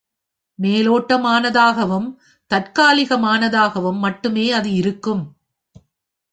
மேலோட்டமானதாகவும் தற்காலிகமானதாகவும் மட்டுமே அது இருக்கும்.